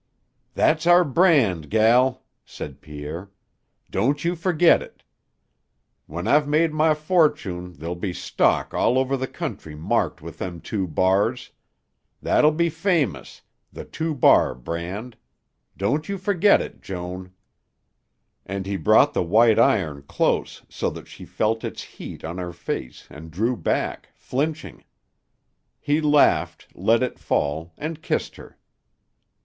"That's our brand, gel," said Pierre. "Don't you fergit it. When I've made my fortune there'll be stock all over the country marked with them two bars. That'll be famous the Two Bar Brand. Don't you fergit it, Joan." And he brought the white iron close so that she felt its heat on her face and drew back, flinching. He laughed, let it fall, and kissed her.